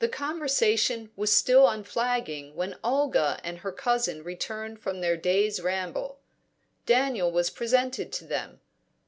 The conversation was still unflagging when Olga and her cousin returned from their day's ramble. Daniel was presented to them.